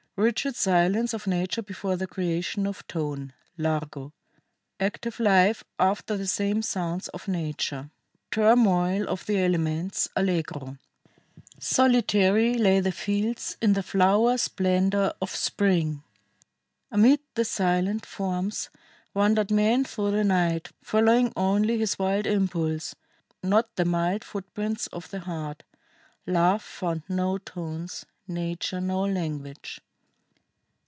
RIGID SILENCE OF NATURE BEFORE THE CREATION OF TONE: Largo. ACTIVE LIFE AFTER THE SAME. SOUNDS OF NATURE. TURMOIL OF THE ELEMENTS: Allegro] "Solitary lay the fields in the flower splendor of spring; amid the silent forms wandered Man through the night, following only his wild impulse, not the mild footprints of the heart; Love found no tones, Nature no language.